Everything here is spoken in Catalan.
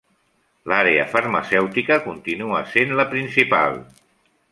L'àrea farmacèutica continua sent la principal.